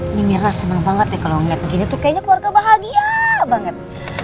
ini miras senang banget ya kalau ngeliat begini tuh kayaknya keluarga bahagia banget